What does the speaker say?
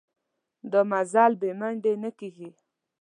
دا مزل بې منډې نه کېږي.